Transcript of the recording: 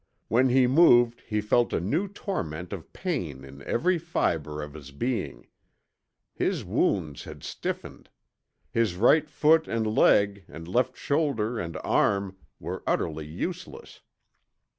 When he moved he felt a new torment of pain in every fiber of his being. His wounds had stiffened. His right foot and leg, and left shoulder and arm, were utterly useless.